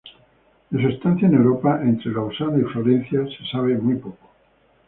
De su estancia en Europa, entre Lausana y Florencia, se sabe muy poco.